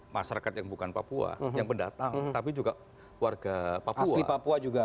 masyarakat yang bukan papua yang pendatang tapi juga warga papua juga